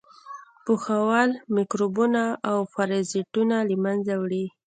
پخول میکروبونه او پرازیټونه له منځه وړي.